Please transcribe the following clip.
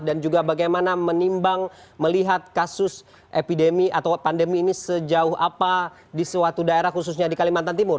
dan juga bagaimana menimbang melihat kasus epidemi atau pandemi ini sejauh apa di suatu daerah khususnya di kalimantan timur